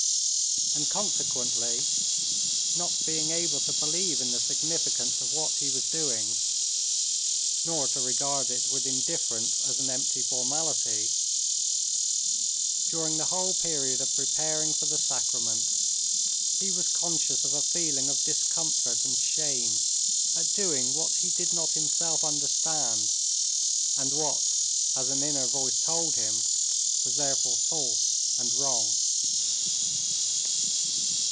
And consequently, not being able to believe in the significance of what he was doing nor to regard it with indifference as an empty formality, during the whole period of preparing for the sacrament he was conscious of a feeling of discomfort and shame at doing what he did not himself understand, and what, as an inner voice told him, was therefore false and wrong.